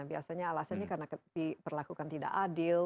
biasanya alasannya karena diperlakukan tidak adil